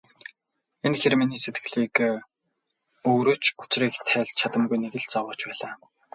Энэ хэр миний сэтгэлийг өөрөө ч учрыг тайлж чадамгүй нэг л зүйл зовоож байлаа.